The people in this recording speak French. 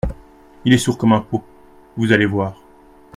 Il est sourd comme un pot… vous allez voir…